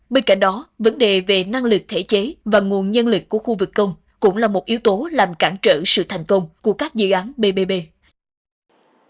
bên cạnh đó vấn đề về năng lực thể chế và nguồn nhân lực của khu vực công cũng là một yếu tố làm cản trở sự thành công của các dự án bbb